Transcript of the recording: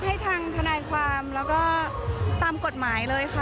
ให้ทางทนายความแล้วก็ตามกฎหมายเลยค่ะ